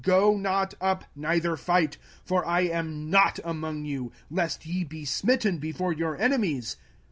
Go not up, neither fight; for I am not among you; lest ye be smitten before your enemies.